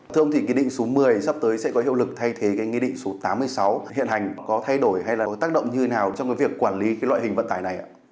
thưa ông thì cái định số một mươi sắp tới sẽ có hiệu lực thay thế cái nghị định số tám mươi sáu hiện hành có thay đổi hay là có tác động như thế nào trong cái việc quản lý cái loại hình vận tải này ạ